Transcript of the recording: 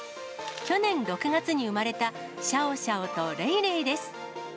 去年６月に生まれたシャオシャオとレイレイです。